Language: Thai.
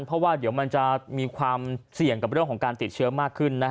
เพราะว่าเดี๋ยวมันจะมีความเสี่ยงกับเรื่องของการติดเชื้อมากขึ้น